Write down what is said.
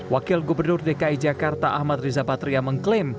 wakil gubernur dki jakarta ahmad riza patria mengklaim